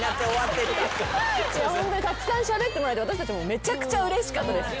ホントにたくさんしゃべってもらえて私たちもめちゃくちゃうれしかったです。